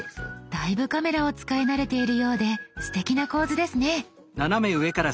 だいぶカメラを使い慣れているようですてきな構図ですね。